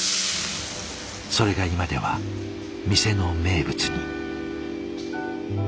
それが今では店の名物に。